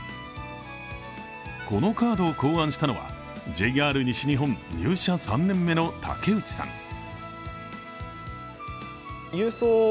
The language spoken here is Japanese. このカードを考案したのはＪＲ西日本入社３年目の竹内さん。